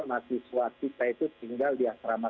mahasiswa kita itu tinggal di asrama